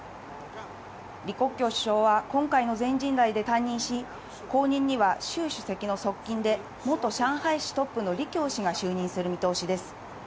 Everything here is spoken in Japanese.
リ・コッキョウ首相は今回の全人代で退任し、後任にはシュウ主席の側近で元上海市トップのリ・キョウ氏が就任する見通しです。